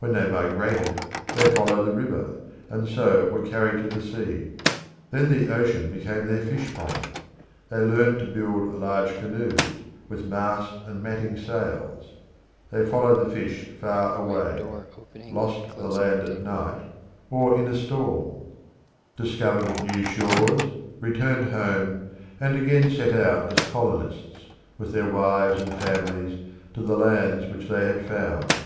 When they migrated they followed the river, and so were carried to the sea. Then the ocean became their fish pond. They learnt to build large canoes, with mast and matting sails; they followed the fish far away; lost the land at night, or in a storm; discovered new shores, returned home, and again set out as colonists, with their wives and families, to the lands which they had found.